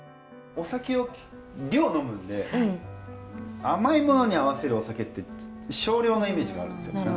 お酒を量呑むんで甘いものに合わせるお酒って少量のイメージがあるんですよ。